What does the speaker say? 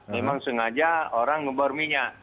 memang sengaja orang ngebor minyak